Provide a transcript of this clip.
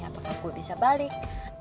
apakah gue bisa balik